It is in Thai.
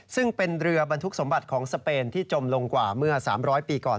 ซึ่งเป็นเรือบรรทุกสมบัติของสเปนที่จมลงกว่าเมื่อ๓๐๐ปีก่อน